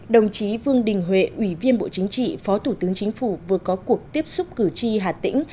đồng chí vương đình huệ ủy viên bộ chính trị phó thủ tướng chính phủ vừa có cuộc tiếp xúc cử tri hà tĩnh